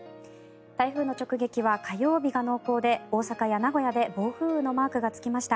台風の直撃は火曜日が濃厚で大阪や名古屋で暴風雨のマークがつきました。